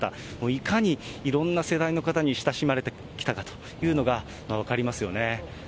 いかにいろんな世代の方に親しまれてきたかというのが分かりますよね。